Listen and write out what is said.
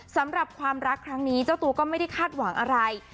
สำหรับความรักครั้งนี้เจ้าตัวก็ไม่ได้คาดหวังอะไร